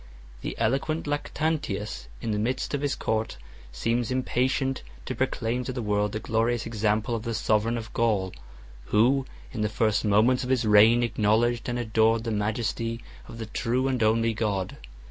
The eloquent Lactantius, in the midst of his court, seems impatient 1 to proclaim to the world the glorious example of the sovereign of Gaul; who, in the first moments of his reign, acknowledged and adored the majesty of the true and only God.